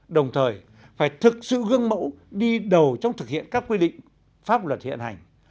đồng thời phải thực sự gương mẫu đi đầu trong thực hiện các quy định pháp luật hiện hành